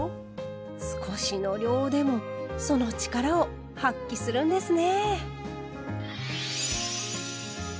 少しの量でもその力を発揮するんですね。